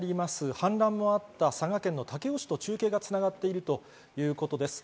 氾濫のあった佐賀県の武雄市と中継が繋がっているということです。